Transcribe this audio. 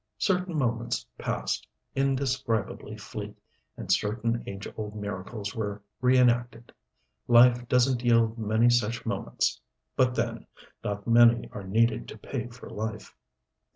Certain moments passed, indescribably fleet, and certain age old miracles were reënacted. Life doesn't yield many such moments. But then not many are needed to pay for life.